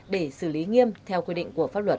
để xử lý nghiêm theo quy định của pháp luật